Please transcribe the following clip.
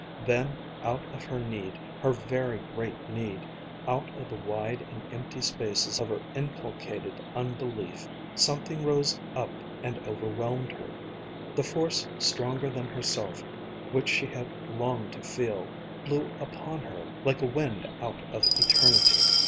Then, out of her need, her very great need, out of the wide and empty spaces of her inculcated unbelief, something rose up and overwhelmed her. The force stronger than herself which she had longed to feel, blew upon her like a wind out of eternity.